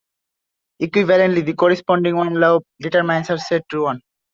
Equivalently, the corresponding one-loop determinants are set to one.